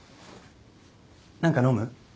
何か飲む？